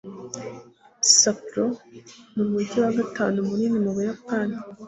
sapporo n'umujyi wa gatanu munini mu buyapani